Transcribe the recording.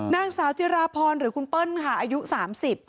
นางสาวจิราพรหรือคุณเปิ้ลค่ะอายุสามสิบ